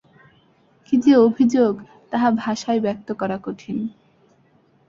কী যে অভিযোগ তাহা ভাষায় ব্যক্ত করা কঠিন।